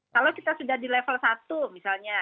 kalau kita sudah di level satu misalnya